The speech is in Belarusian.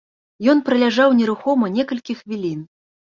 Ён праляжаў нерухома некалькі хвілін.